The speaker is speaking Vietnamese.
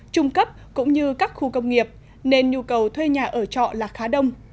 trung cấp cũng như các khu công nghiệp nên nhu cầu thuê nhà ở trọ là khá đông